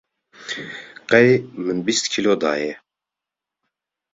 qey min bîst kîlo daye.